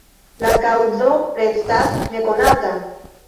La kaŭzo restas ne konata.